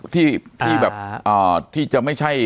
ที่แบบที่จะไม่ใช่